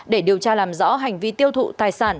để điều tra làm rõ hành vi tiêu thụ tài sản